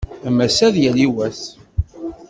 Am ass-a ad d-yali wass.